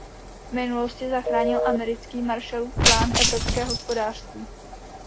V minulosti zachránil americký Marshallův plán evropské hospodářství.